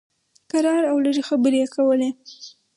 کرار او لږې خبرې یې کولې.